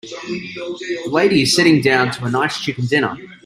The lady is sitting down to a nice chicken dinner.